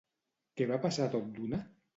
Què va passar tot d'una?